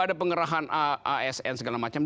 ada pengerahan asn segala macam